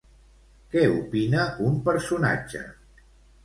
Què opina un personatge?